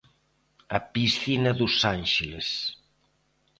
A Piscina dos Ánxeles.